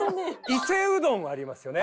伊勢うどんありますよね。